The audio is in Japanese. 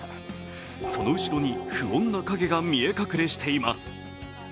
その後ろに不穏な影が見え隠れしています。